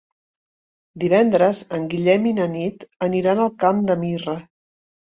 Divendres en Guillem i na Nit aniran al Camp de Mirra.